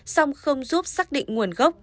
song không giúp xác định nguồn gốc